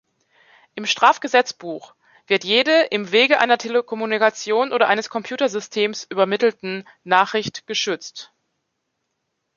Im Strafgesetzbuch wird jede „im Wege einer Telekommunikation oder eines Computersystems übermittelten“ Nachricht geschützt.